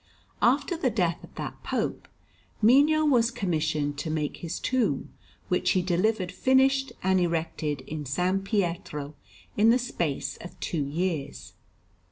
After the death of that Pope, Mino was commissioned to make his tomb, which he delivered finished and erected in S. Pietro in the space of two years.